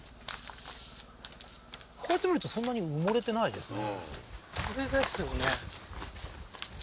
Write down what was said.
こうやって見るとそんなに埋もれてないですね